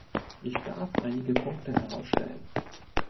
Ich darf einige Punkte herausstellen.